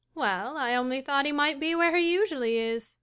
] Well, I only thought he might be where he usually is. MRS.